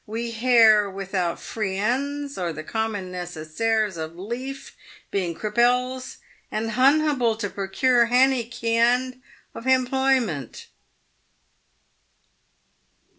We hare without free ends or the comman necessairees of lief, being crippels, and hunhable to pro cure hany keyind of hemployment."